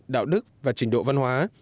đạo đức và trình độ văn hóa